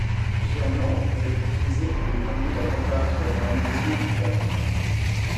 Plusieurs normes peuvent être utilisées pour déterminer la température de ramollissement Vicat.